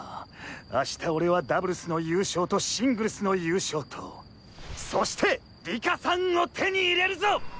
明日俺はダブルスの優勝とシングルスの優勝とそして里佳さんを手に入れるぞ！